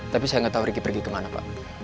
tapi saya gak tau riki pergi kemana pak